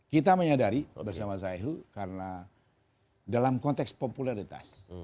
kita menyadari bersama sayhu karena dalam konteks popularitas